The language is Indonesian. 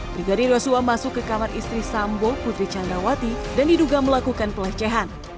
brigadir yosua masuk ke kamar istri sambo putri candrawati dan diduga melakukan pelecehan